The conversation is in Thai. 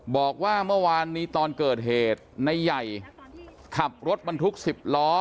บอกว่าเมื่อวานนี้ตอนเกิดเหตุในใหญ่ขับรถบรรทุก๑๐ล้อ